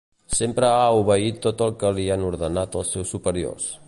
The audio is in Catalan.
Sempre ha obeït tot el que li han ordenat els seus superiors.